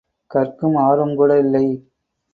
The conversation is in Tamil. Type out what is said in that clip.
கற்கும் ஆர்வம் கூட இல்லை.